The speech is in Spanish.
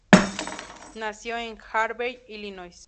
Nació en Harvey, Illinois.